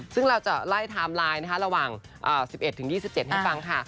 ซึ่งเราจะไล่ไทม์ไลน์นะคะระหว่าง๑๑ถึง๒๗ให้ฟังค่ะ